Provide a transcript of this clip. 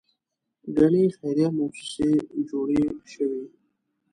ګڼې خیریه موسسې جوړې شوې.